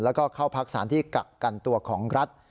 รักษานที่กักกันตัวของรัฐ